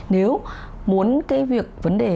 nếu muốn cái việc vấn đề